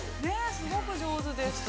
◆すごく上手でした。